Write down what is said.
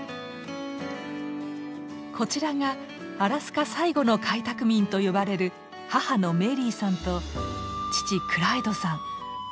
こちらがアラスカ最後の開拓民と呼ばれる母のメリーさんと父クライドさん。